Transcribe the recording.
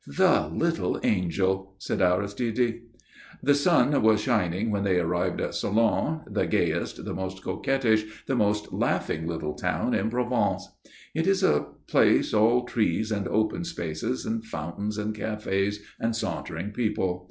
"The little angel!" said Aristide. The sun was shining when they arrived at Salon, the gayest, the most coquettish, the most laughing little town in Provence. It is a place all trees and open spaces, and fountains and cafés, and sauntering people.